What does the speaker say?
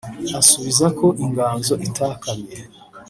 asubiza ko inganzo itakamye